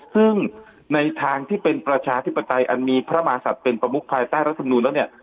ซึ่งในทางที่เป็นประชาธิปไตยอันมีพระมหาศัตริย์เป็นประมุขภายใต้รัฐมนูลแล้วเนี่ย